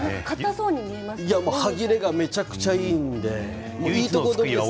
歯切れがめちゃくちゃいいのでいいとこ取りで。